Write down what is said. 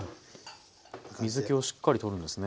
水けをしっかり取るんですね。